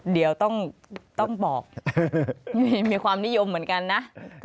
เดี๋ยวต้องบอกมีความนิยมเหมือนกันนะ